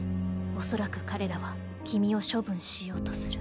「恐らく彼らは君を処分しようとする」。